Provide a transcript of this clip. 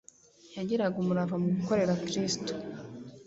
Yagiraga umurava mu gukorera Kristo